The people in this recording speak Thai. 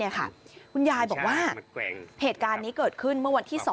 คุณยายบอกว่าเหตุการณ์นี้เกิดขึ้นเมื่อวันที่๒